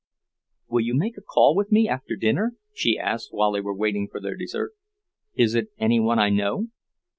"Will you make a call with me after dinner?" she asked while they were waiting for their dessert. "Is it any one I know?"